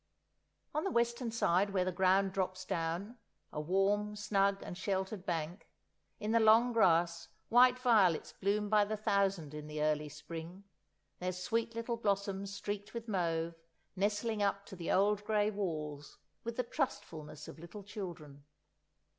On the western side where the ground drops down—a warm, snug and sheltered bank—in the long grass white violets bloom by the thousand in the early spring, their sweet little blossoms streaked with mauve, nestling up to the old grey walls with the trustfulness of little children.